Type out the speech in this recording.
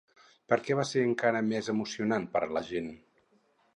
Per què va ser encara més emocionant per a la gent?